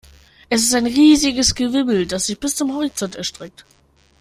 Es ist ein riesiges Gewimmel, das sich bis zum Horizont erstreckt.